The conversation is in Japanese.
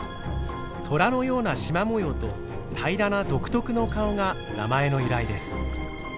トラのようなしま模様と平らな独特の顔が名前の由来です。